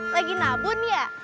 lagi nabun ya